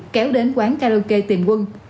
kéo đến quán karaoke tìm quân